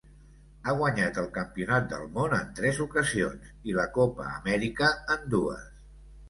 Ha guanyat el campionat del món en tres ocasions i la Copa Amèrica en dues.